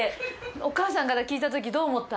お母さんから聞いたときどう思った？